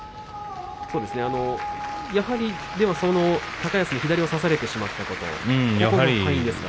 高安に左を差されてしまったことですね。